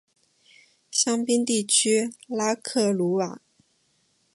香槟地区拉克鲁瓦。